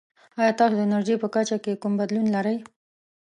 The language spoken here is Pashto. ایا تاسو د انرژي په کچه کې کوم بدلون لرئ؟